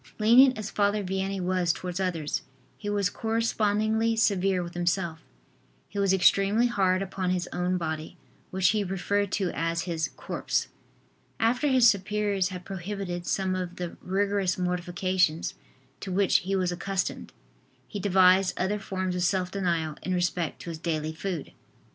Lenient as Father Vianney was towards others, he was correspondingly severe with himself. He was extremely hard upon his own body, which he referred to as his "corpse." After his superiors had prohibited some of the rigorous mortifications to which he was accustomed, he devised other forms of self denial in respect to his daily food.